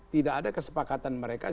tidak ada kesepakatan mereka